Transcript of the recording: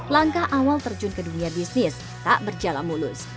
langkah awal terjun ke dunia bisnis tak berjalan mulus